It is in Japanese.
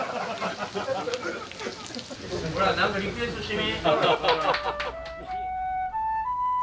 ほら何かリクエストしてみ。